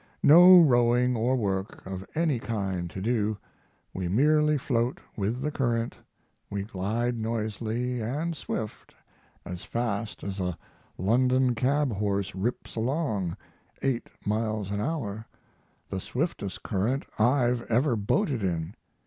No rowing or work of any kind to do we merely float with the current we glide noiseless and swift as fast as a London cab horse rips along 8 miles an hour the swiftest current I've ever boated in.